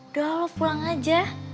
udah lo pulang aja